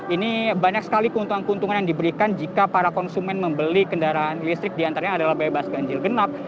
ini banyak sekali keuntungan keuntungan yang diberikan jika para konsumen membeli kendaraan listrik diantaranya adalah bebas ganjil genap